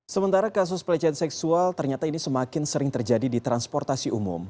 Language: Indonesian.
sementara kasus pelecehan seksual ternyata ini semakin sering terjadi di transportasi umum